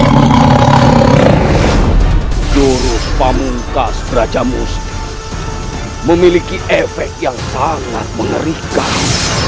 buruh pamungkas raja musti memiliki efek yang sangat mengerikan